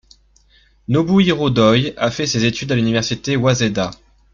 Nobuhiro Doi a fait ses études à l'université Waseda.